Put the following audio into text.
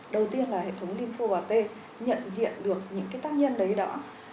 đầu tiên là hệ thống lympho bào t nhận diện được những cái tác nhân đấy đó